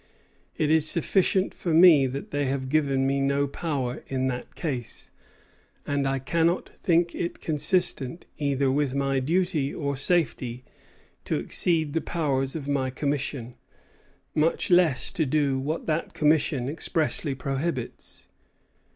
It is sufficient for me that they have given me no power in that case; and I cannot think it consistent either with my duty or safety to exceed the powers of my commission, much less to do what that commission expressly prohibits."